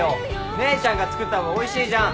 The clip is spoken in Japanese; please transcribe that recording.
姉ちゃんが作った方がおいしいじゃん。